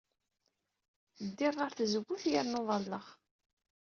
Ddiɣ ɣer tzewwut yernu ḍalleɣ.